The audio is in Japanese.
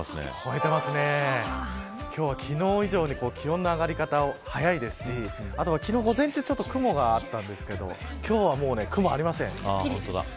今日は昨日以上に気温の上がり方、早いですしあとは昨日午前中は雲があったんですが今日はもう、雲がありません。